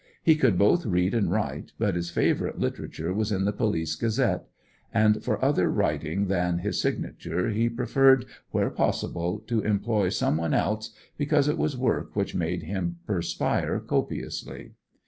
He could both read and write, but his favourite literature was the Police Gazette, and for other writing than his signature he preferred where possible to employ some one else, because it was work which made him perspire copiously.